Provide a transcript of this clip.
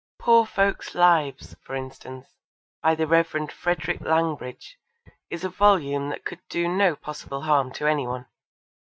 Poor Folks' Lives, for instance, by the Rev. Frederick Langbridge, is a volume that could do no possible harm to any one.